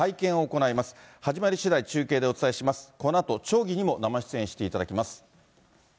このあと町議にも生出演していただきます。